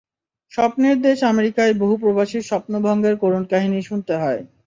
স্বপ্নের দেশ আমেরিকায় বহু প্রবাসীর স্বপ্ন ভঙ্গের করুণ কাহিনি শুনতে হয়।